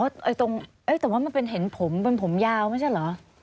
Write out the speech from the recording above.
ตรงแต่ว่ามันเป็นเห็นผมเป็นผมยาวไม่ใช่เหรอ